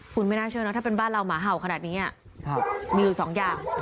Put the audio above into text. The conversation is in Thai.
คุณไม่น่าเชื่อนะถ้าเป็นบ้านเราหมาเห่าขนาดนี้มีอยู่สองอย่าง